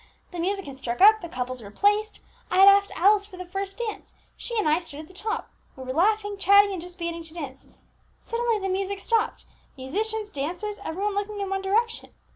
The music had struck up; the couples were placed; I had asked Alice for the first dance; she and I stood at the top. We were laughing, chatting, and just beginning to dance. Suddenly the music stopped, musicians, dancers, every one looking in one direction.